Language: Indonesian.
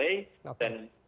sekitar balai dan